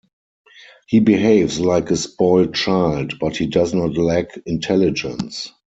He behaves like a spoiled child, but he does not lack intelligence.